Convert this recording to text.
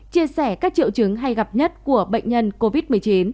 chia sẻ các triệu chứng hay gặp nhất của bệnh nhân covid một mươi chín